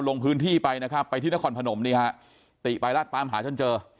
ลงพื้นที่ไปนะครับไปที่นครพนมนี่ฮะติไปแล้วตามหาจนเจอ